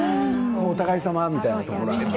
お互い様みたいなところがね。